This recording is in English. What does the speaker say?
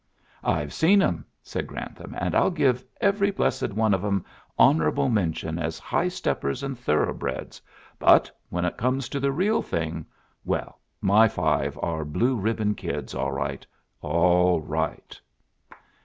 "I've seen 'em," said Grantham, "and I'll give every blessed one of 'em honorable mention as high steppers and thoroughbreds, but when it comes to the real thing well, my five are blue ribbon kids all right, all right."